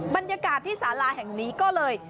บรรยากาศที่สาราแห่งนี้ก็เลย